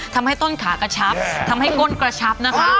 ทำให้ต้นขากระชับทำให้ก้นกระชับนะคะ